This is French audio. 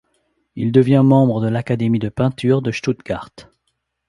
Il devient membre de l'académie de peinture de Stuttgart.